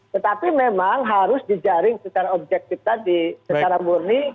tetapi memang harus dijaring secara objektif tadi secara murni